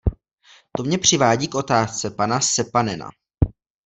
To mě přivádí k otázce pana Seppänena.